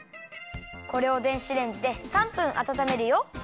これを電子レンジで３分あたためるよ。